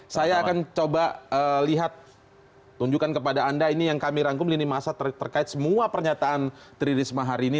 saya akan coba lihat tunjukkan kepada anda ini yang kami rangkum di lini masa terkait semua pernyataan tri risma hari ini